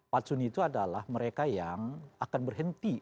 patsun itu adalah mereka yang akan berhenti